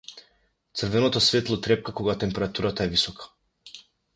Црвеното светло трепка кога температурата е висока.